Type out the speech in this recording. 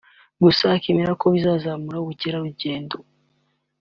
gusa akemera ko bizazamura ubukerarugendo